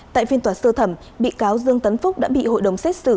tại phiên tòa sơ thẩm bị cáo dương tấn phúc đã bị hội đồng xét xử